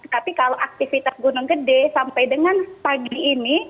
tapi kalau aktivitas gunung gede sampai dengan pagi ini